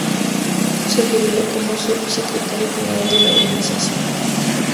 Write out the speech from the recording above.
Se jubiló como subsecretario general de la organización.